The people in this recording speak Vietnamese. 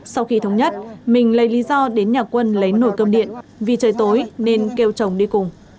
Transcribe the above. sau khi thống nhất mình lấy lý do đến nhà quân lấy nồi cơm điện vì trời tối nên kêu chồng đi cùng